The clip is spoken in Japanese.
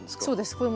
そうです。